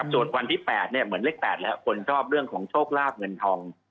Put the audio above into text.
ส่วนวันที่๘เหมือนเลข๘แล้วคนชอบเรื่องของโชคลาบเงินทอง